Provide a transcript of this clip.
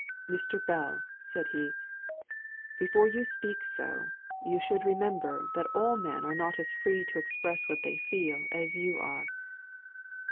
"Mr. Bell," said he, "before you speak so, you should remember that all men are not as free to express what they feel as you are.